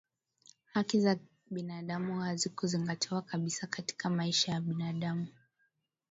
haki za binadamu hazikuzingatiwa kabisa katika maisha ya binadamu